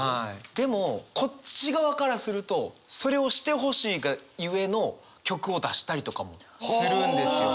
でもこっち側からするとそれをしてほしいがゆえの曲を出したりとかもするんですよ。